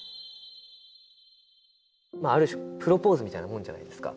ある種プロポーズみたいなもんじゃないですか。